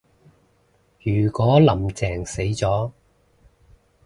如果林鄭死咗